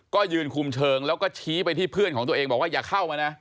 ก็ยืนคุมเชิงแล้วก็ชี้ไปที่เพื่อนของตัวเองบอกว่าอย่าเข้ามานะ